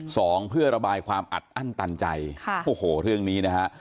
สองเพื่อระบายความอัดอั้นตันใจค่ะโอ้โหเรื่องนี้นะฮะ